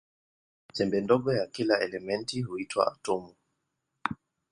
Chembe ndogo ya kila elementi huitwa atomu.